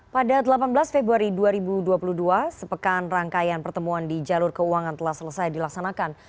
pada delapan belas februari dua ribu dua puluh dua sepekan rangkaian pertemuan di jalur keuangan telah selesai dilaksanakan